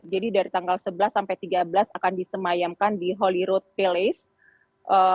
jadi dari tanggal sebelas sampai tiga belas akan disemayamkan di holyrood palace